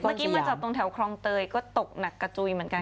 เมื่อกี้มาจากตรงแถวคลองเตยก็ตกหนักกระจุยเหมือนกัน